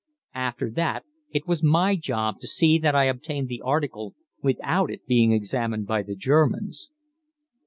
After that it was my job to see that I obtained the article without it being examined by the Germans.